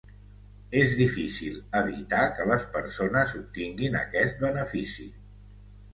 És difícil evitar que les persones obtinguin aquest benefici.